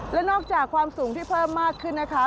และนอกจากความสูงที่เพิ่มมากขึ้นนะคะ